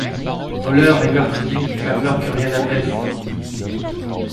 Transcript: Voleur et meurtrier, clameur que rien n'apaise